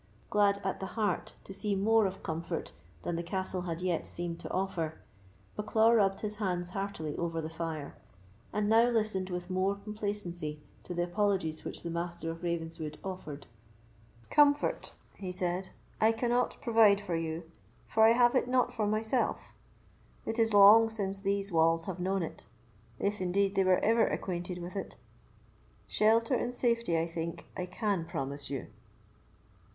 Glad at the heart to see more of comfort than the castle had yet seemed to offer, Bucklaw rubbed his hands heartily over the fire, and now listened with more complacency to the apologies which the Master of Ravenswood offered. "Comfort," he said, "I cannot provide for you, for I have it not for myself; it is long since these walls have known it, if, indeed, they were ever acquainted with it. Shelter and safety, I think, I can promise you."